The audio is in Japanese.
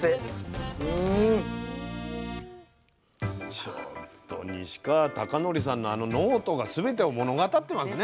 ちょっと西川崇徳さんのあのノートがすべてを物語ってますね